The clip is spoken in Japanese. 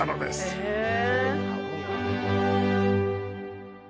へえ。